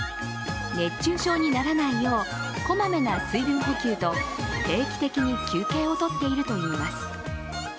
熱中症にならないよう、こまめな水分補給と定期的に休憩をとっているといいます。